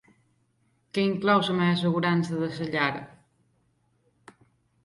Que inclou la meva assegurança de llar?